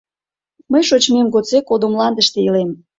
— Мый шочмем годсек Одо мландыште илем.